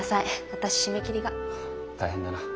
私締め切りが。大変だな。